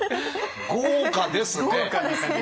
豪華ですね！